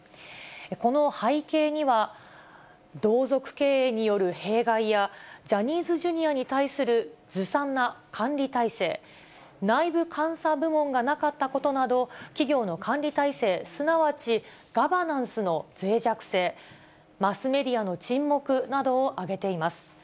この背景には、同族経営による弊害や、ジャニーズＪｒ．に対するずさんな管理体制、内部監査部門がなかったことなど、企業の管理体制、すなわちガバナンスのぜい弱性、マスメディアの沈黙などを挙げています。